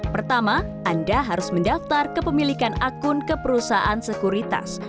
pertama anda harus mendaftar kepemilikan akun ke perusahaan sekuritas